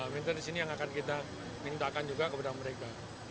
maintenance ini yang akan kita mintakan juga kepada mereka